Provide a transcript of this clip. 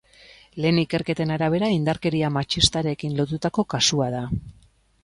Lehen ikerketen arabera, indarkeria matxistarekin lotutako kasua da.